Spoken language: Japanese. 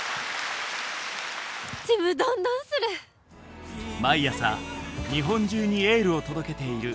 ちむどんどんする！